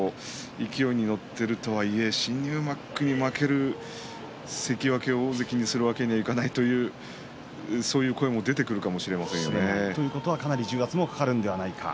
勢いに乗っているとはいえ新入幕に負ける関脇を大関にするわけにはいかないというそういう声もかなり重圧もかかりますね。